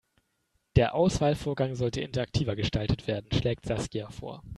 Der Auswahlvorgang sollte interaktiver gestaltet werden, schlägt Saskia vor.